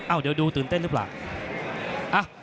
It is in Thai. เดี๋ยวดูตื่นเต้นหรือเปล่า